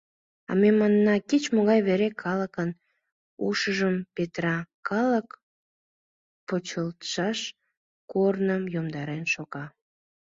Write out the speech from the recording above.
А ме манына: кеч-могай вера калыкын ушыжым петыра, калык почылтшаш корным йомдарен шога.